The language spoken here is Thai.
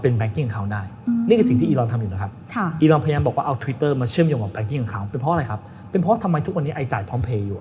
เป็นเพราะทำไมทุกวันนี้ไอจ่ายพร้อมเพลย์อยู่